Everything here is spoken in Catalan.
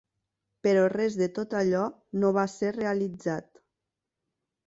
Però res de tot allò no va ser realitzat.